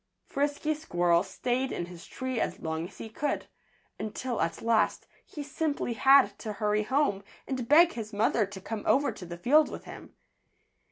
Frisky Squirrel stayed in his tree as long as he could, until at last he simply had to hurry home and beg his mother to come over to the field with him.